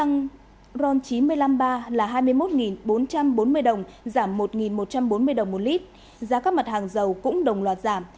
giảm một một trăm bốn mươi đồng một lít giá các mặt hàng dầu cũng đồng loạt giảm